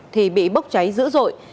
thì bị bốc cháy dữ dội